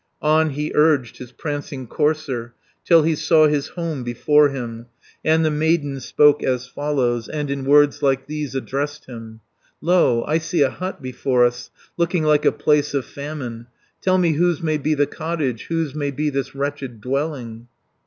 On he urged his prancing courser, Till he saw his home before him, And the maiden spoke as follows, And in words like these addressed him: 330 "Lo, I see a hut before us, Looking like a place of famine. Tell me whose may be the cottage, Whose may be this wretched dwelling?"